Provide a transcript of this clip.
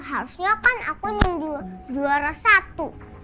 harusnya kan aku nunggu juara satu